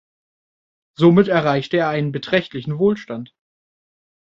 Somit erreichte er einen beträchtlichen Wohlstand.